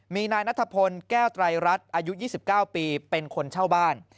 มีนายนัทพลแก้วไตรรัฐอายุ๒๙ปีเป็นคนเช่าบ้าน